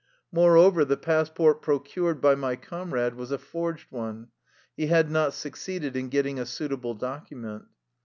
Moreover, the passport procured by my comrade was a forged one. He had not succeeded in getting a suitable document.